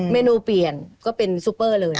เมนูเปลี่ยนก็เป็นซูเปอร์เลย